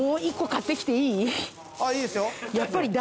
いいですよ。